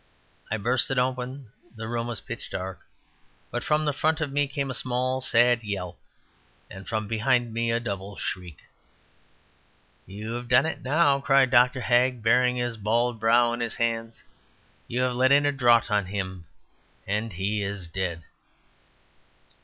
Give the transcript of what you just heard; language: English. I burst it open; the room was pitch dark. But from in front of me came a small sad yelp, and from behind me a double shriek. "You have done it, now!" cried Dr. Hagg, burying his bald brow in his hands. "You have let in a draught on him; and he is dead."